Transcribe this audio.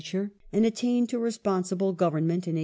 ture and attained to " responsible " government in 1872.